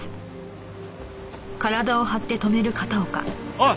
おい！